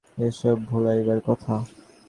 এ-সব ভোলাইবার কথা।